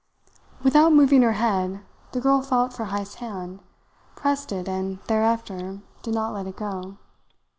Without moving her head, the girl felt for Heyst's hand, pressed it and thereafter did not let it go.